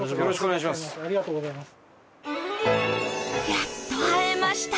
やっと会えました！